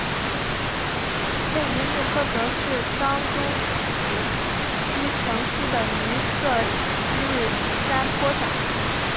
位于日喀则市桑珠孜区城西的尼色日山坡上。